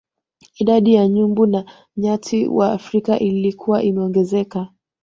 Idadi ya nyumbu na nyati wa Afrika ilikuwa imeongezeka